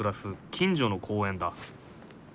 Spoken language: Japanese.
近所の公園だ